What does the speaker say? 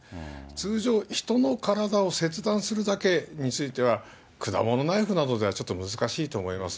通常、人の体を切断するだけについては、果物ナイフなどではちょっと難しいと思います。